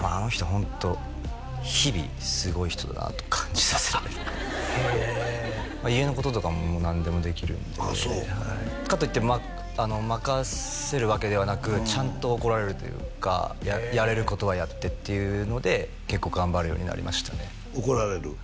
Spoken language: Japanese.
ホント日々すごい人だなと感じさせられる家のこととかも何でもできるんでああそうかといって任せるわけではなくちゃんと怒られるというかやれることはやってっていうので結構頑張るようになりましたね怒られる？